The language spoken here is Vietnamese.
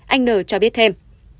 anh ntn cho biết thêm